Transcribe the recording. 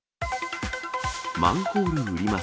マンホール売ります。